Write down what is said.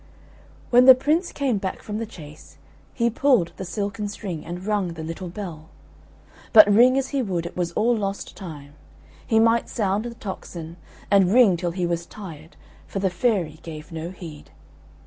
When the Prince came back from the chase, he pulled the silken string and rung the little bell; but ring as he would it was all lost time; he might sound the tocsin, and ring till he was tired, for the fairy gave no heed.